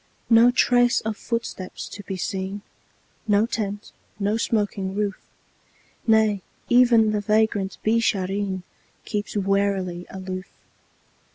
No trace of footsteps to be seen, No tent, no smoking roof; Nay, even the vagrant Beeshareen Keeps warily aloof.